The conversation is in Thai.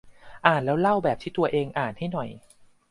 อ่านแล้วเล่าแบบที่ตัวเองอ่านให้หน่อย